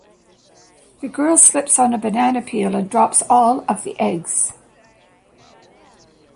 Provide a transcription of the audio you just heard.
The girl slips on a banana peel and drops all of the eggs.